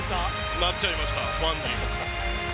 なっちゃいました、ファンに。